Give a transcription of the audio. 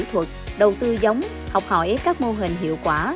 kỹ thuật đầu tư giống học hỏi các mô hình hiệu quả